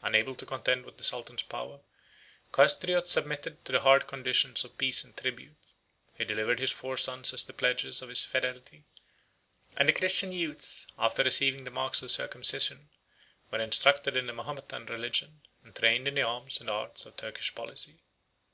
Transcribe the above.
Unable to contend with the sultan's power, Castriot submitted to the hard conditions of peace and tribute: he delivered his four sons as the pledges of his fidelity; and the Christian youths, after receiving the mark of circumcision, were instructed in the Mahometan religion, and trained in the arms and arts of Turkish policy.